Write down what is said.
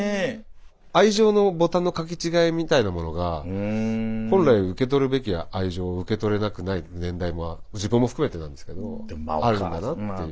愛情のボタンのかけ違いみたいなものが本来受け取るべき愛情を受け取れなくない年代も自分も含めてなんですけどあるんだなっていう。